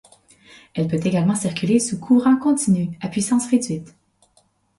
Elle peut également circuler sous courant continu à puissance réduite.